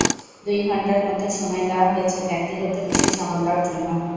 দুই ঘণ্টার মতো সময় দেওয়া হয়েছে ব্যক্তিগত বিষয় সামাল দেওয়ার জন্য।